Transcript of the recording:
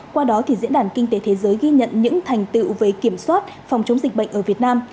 qua đó diễn đàn kinh tế thế giới ghi nhận những thành tựu về kiểm soát phòng chống dịch bệnh ở việt nam